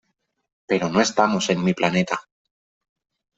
Pero no estamos en mi planeta .